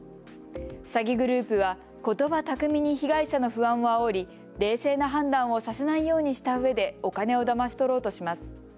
詐欺グループは、ことば巧みに被害者の不安をあおり冷静な判断をさせないようにしたうえでお金をだまし取ろうとします。